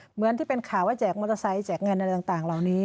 เหมือนที่เป็นข่าวว่าแจกมอเตอร์ไซค์แจกเงินอะไรต่างเหล่านี้